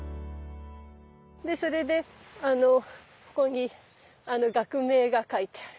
それであのここに学名が書いてある。